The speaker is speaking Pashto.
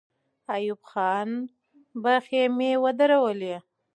ایوب خان به خېمې ودرولي.